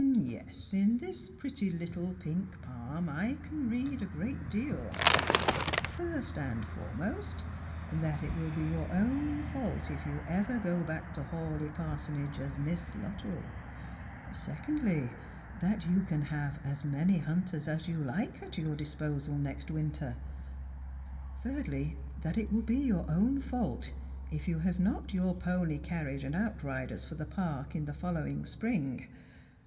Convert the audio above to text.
" Yes, in tliis pretty little pink palm I can read a great deal. First and foremost, that it will be your own fault if ever you go back to Hawleigh jaarsonage as Miss Luttrell ; secondly, that you can have as many hunters as you Hke at your disposal next winter; thirdly, that it will be your own fault if you have not your pony carriage and outriders for the park in the following spring.